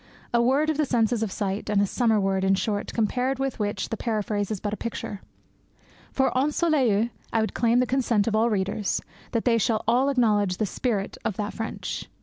A word of the sense of sight, and a summer word, in short, compared with which the paraphrase is but a picture. For ensoleille I would claim the consent of all readers that they shall all acknowledge the spirit of that French.